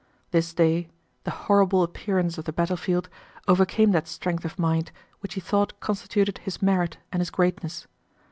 This day the horrible appearance of the battlefield overcame that strength of mind which he thought constituted his merit and his greatness.